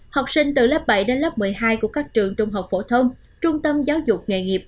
học sinh từ lớp bảy đến lớp một mươi hai của các trường trung học phổ thông trung tâm giáo dục nghề nghiệp